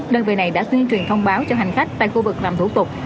đơn vị này đã tuyên truyền thông báo cho hành khách tại khu vực làm thủ tục